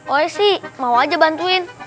oe sih mau aja bantuin